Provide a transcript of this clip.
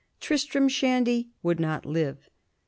"Tristram Shandy" would not live.